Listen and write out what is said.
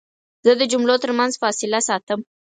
زه د جملو ترمنځ فاصله ساتم.